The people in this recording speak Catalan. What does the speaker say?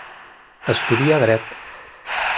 Estudia dret.